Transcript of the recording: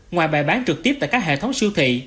ngoài bài bán trực tiếp tại các hệ thống siêu thị